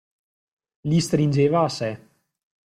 Li stringeva a sé.